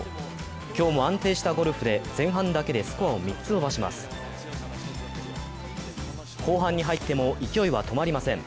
今日も安定したゴルフで前半だけでスコアを３つ伸ばします後半に入っても勢いは止まりません。